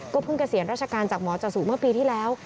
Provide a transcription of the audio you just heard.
เพิ่งเกษียณราชการจากหมอจสุเมื่อปีที่แล้ว